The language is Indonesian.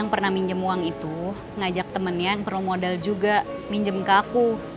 yang pernah minjem uang itu ngajak temennya yang perlu modal juga minjem ke aku